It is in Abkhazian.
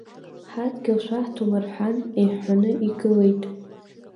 Ҳадгьыл шәаҳҭом рҳәан иҳәҳәаны игылеит.